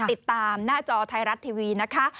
ติดตามหน้าจอไทยรัฐทีวีนะคะ